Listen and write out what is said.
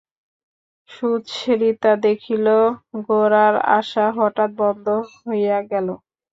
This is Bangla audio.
সুচরিতা দেখিল গোরার আসা হঠাৎ বন্ধ হইয়া গেল।